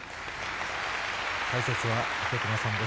解説は武隈さんです。